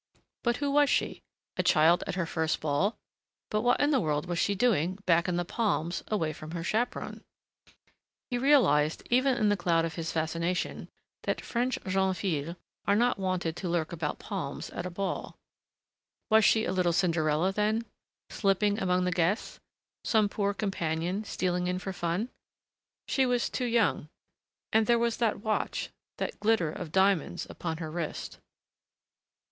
But who was she? A child at her first ball? But what in the world was she doing, back in the palms, away from her chaperon? He realized, even in the cloud of his fascination, that French jeunes filles are not wonted to lurk about palms at a ball. Was she a little Cinderella, then, slipping among the guests? Some poor companion, stealing in for fun?... She was too young. And there was that watch, that glitter of diamonds upon her wrist.